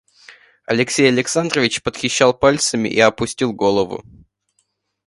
Алексей Александрович потрещал пальцами и опустил голову.